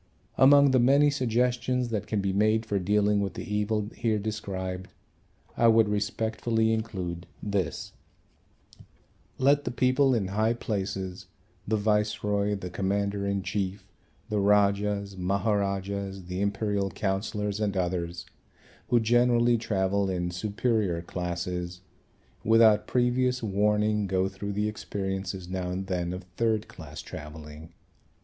Among the many suggestions that can be made for dealing with the evil here described, I would respectfully include this: let the people in high places, the Viceroy, the Commander in Chief, the Rajas, Maharajas, the Imperial Councillors and others, who generally travel in superior classes, without previous warning, go through the experiences now and then of third class travelling.